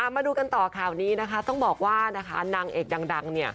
มาดูกันต่อข่าวนี้นะคะต้องบอกว่านางเอกดัง